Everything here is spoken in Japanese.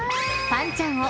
パンちゃんは。